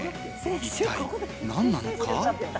一体何なのか？